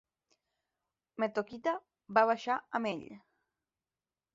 Metoquita va baixar amb ell.